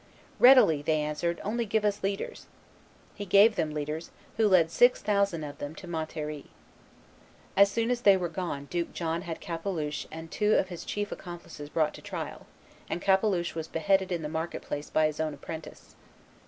"Readily," they answered, "only give us leaders." He gave them leaders, who led six thousand of them to Montlhery. As soon as they were gone Duke John had Capeluche and two of his chief accomplices brought to trial, and Capeluche was beheaded in the market place by his own apprentice.